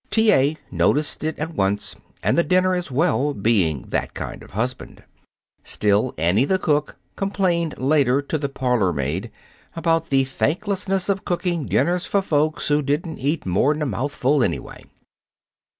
T. A. noticed it at once, and the dinner as well, being that kind of husband. Still, Annie, the cook, complained later, to the parlor maid, about the thanklessness of cooking dinners for folks who didn't eat more'n a mouthful, anyway.